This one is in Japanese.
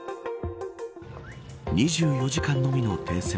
２４時間のみの停戦。